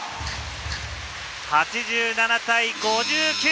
８７対５９。